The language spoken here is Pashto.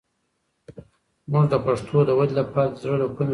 موږ د پښتو د ودې لپاره د زړه له کومې کار کوو.